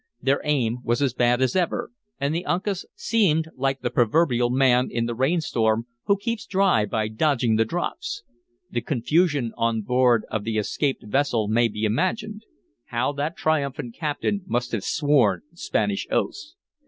Their aim was as bad as ever, and the Uncas seemed like the proverbial man in the rainstorm who keeps dry by "dodging the drops." The confusion on board of the "escaped" vessel may be imagined. How that triumphant captain must have sworn Spanish oaths.